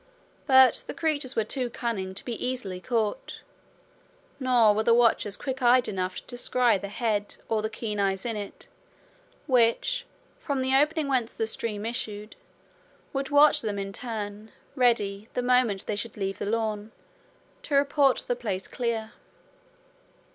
But the creatures were too cunning to be easily caught; nor were the watchers quick eyed enough to descry the head, or the keen eyes in it, which, from the opening whence the stream issued, would watch them in turn, ready, the moment they should leave the lawn, to report the place clear.